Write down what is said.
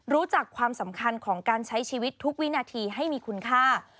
รู้จักความสำคัญของการใช้ชีวิตทุกวินาทีให้มีคุณค่า